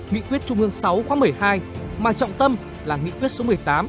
nghị quyết trung ương sáu khóa một mươi hai mà trọng tâm là nghị quyết số một mươi tám